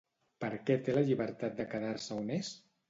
Per què té la llibertat de quedar-se on és?